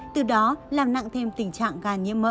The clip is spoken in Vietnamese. từ đó làm nặng thêm tình trạng gan nhiễm mỡ